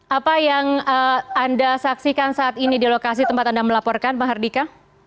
apa yang anda saksikan saat ini di lokasi tempat anda melaporkan pak hardika